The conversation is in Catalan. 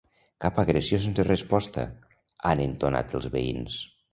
Cap agressió sense resposta, han entonat els veïns.